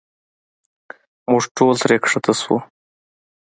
موږ ټول ترې ښکته شو.